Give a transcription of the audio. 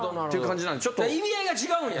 意味合いが違うんや。